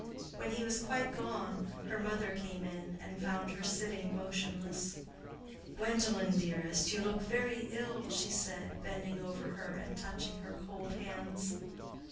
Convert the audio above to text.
When he was quite gone, her mother came in and found her sitting motionless. "Gwendolen, dearest, you look very ill," she said, bending over her and touching her cold hands.